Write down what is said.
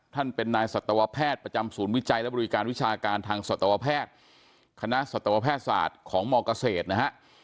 ท่านเป็นนายสัตวแพทย์ประจำศูนย์วิจัยและบริการวิชาการทางสัตวแพทย์คณะสัตวแพทย์ศาสตร์ของมเกษตรนะฮะ